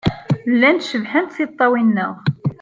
Llant cebḥent tiṭṭawin-nneɣ.